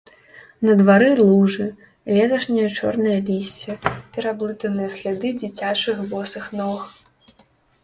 На двары лужы, леташняе чорнае лісце, пераблытаныя сляды дзіцячых босых ног.